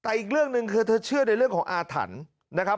แต่อีกเรื่องหนึ่งคือเธอเชื่อในเรื่องของอาถรรพ์นะครับ